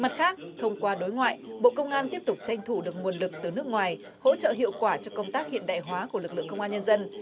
mặt khác thông qua đối ngoại bộ công an tiếp tục tranh thủ được nguồn lực từ nước ngoài hỗ trợ hiệu quả cho công tác hiện đại hóa của lực lượng công an nhân dân